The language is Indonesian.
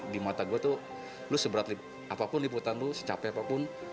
di mata gue tuh lu seberat apapun liputan lu secapek apapun